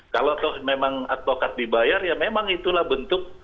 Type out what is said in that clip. kalau memang advokat dibayar ya memang itulah bentuk